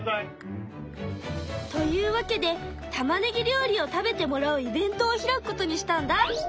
というわけでたまねぎ料理を食べてもらうイベントを開くことにしたんだ！